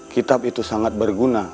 kitab itu sangat berguna